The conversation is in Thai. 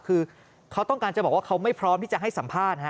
คือเขาต้องการจะบอกว่าเขาไม่พร้อมที่จะให้สัมภาษณ์